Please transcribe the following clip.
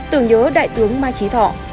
tưởng nhớ đại tướng mai trí thọ